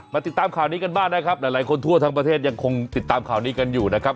ติดตามข่าวนี้กันบ้างนะครับหลายคนทั่วทั้งประเทศยังคงติดตามข่าวนี้กันอยู่นะครับ